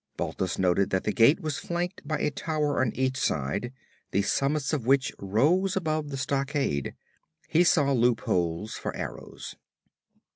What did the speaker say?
Balthus noted that the gate was flanked by a tower on each side, the summits of which rose above the stockade. He saw loopholes for arrows.